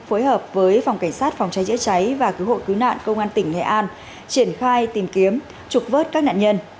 phối hợp với phòng cảnh sát phòng cháy chữa cháy và cứu hộ cứu nạn công an tỉnh nghệ an triển khai tìm kiếm trục vớt các nạn nhân